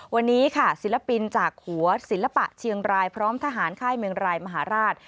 วันนี้ค่ะศิลปินจากหัวศิลปะเชียงรายพร้อมทหารค่ายเมืองรายมหาราช